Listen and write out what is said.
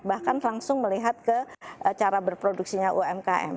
bahkan langsung melihat ke cara berproduksinya umkm